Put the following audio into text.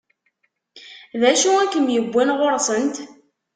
D acu i kem-iwwin ɣur-sent?